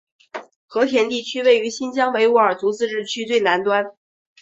和田地区位于新疆维吾尔自治区最南端。